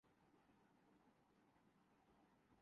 میں نے پوچھا کیوں چھٹی ہے